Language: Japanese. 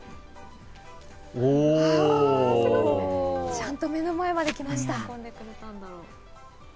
ちゃんと目の前まで来ました。